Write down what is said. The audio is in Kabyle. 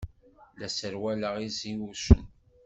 La sserwaleɣ iẓiwcen.